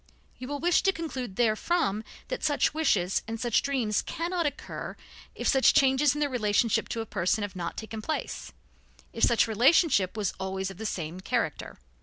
You will wish to conclude therefrom that such wishes and such dreams cannot occur if such changes in the relationship to a person have not taken place; if such relationship was always of the same character.